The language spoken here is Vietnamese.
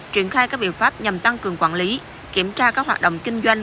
triển khai các biện pháp nhằm tăng cường quản lý kiểm tra các hoạt động kinh doanh